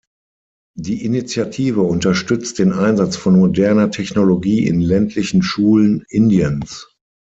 Die Initiative unterstützt den Einsatz von moderner Technologie in ländlichen Schulen Indiens.